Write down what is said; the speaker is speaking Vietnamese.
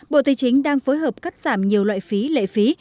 bộ tài chính đang phối hợp cắt giảm nhiều loại phí lệ phí